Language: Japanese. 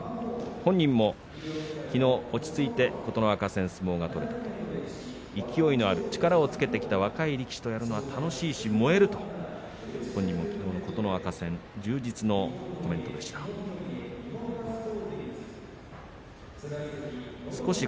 本人もきのう落ち着いて琴ノ若戦、相撲が取れた勢いのある力をつけてきた若い力士と相撲を取るのは楽しいし燃えると充実のコメントをしていました。